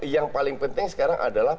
yang paling penting sekarang adalah